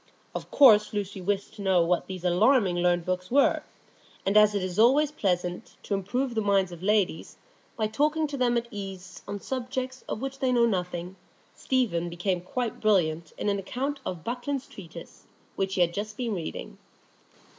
Of course Lucy wished to know what these alarmingly learned books were; and as it is always pleasant to improve the minds of ladies by talking to them at ease on subjects of which they know nothing, Stephen became quite brilliant in an account of Buckland's Treatise, which he had just been reading.